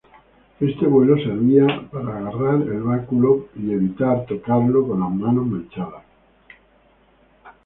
Este vuelo servía a agarrar el báculo para evitar tocarlo con las manos manchadas.